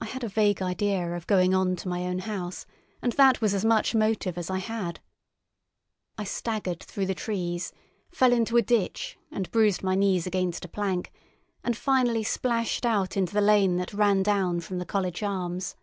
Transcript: I had a vague idea of going on to my own house, and that was as much motive as I had. I staggered through the trees, fell into a ditch and bruised my knees against a plank, and finally splashed out into the lane that ran down from the College Arms.